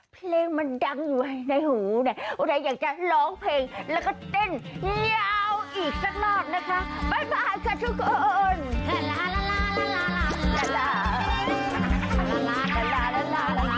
เพลงมันดังอยู่ในหูวันนี้อยากจะร้องเพลงแล้วก็เต้นยาวอีกสักรอบนะคะ